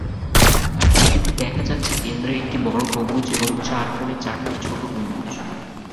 আর এটিতে দেখা যাচ্ছে কেন্দ্রে একটি বড় গম্বুজ এবং এর চারকোণে চারটি ছোট গম্বুজ।